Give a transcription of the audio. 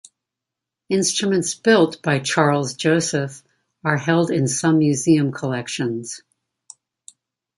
Instruments built by Charles-Joseph are held in some museum collections.